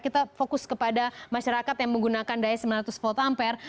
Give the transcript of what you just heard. kita fokus kepada masyarakat yang menggunakan daya sembilan ratus volt ampere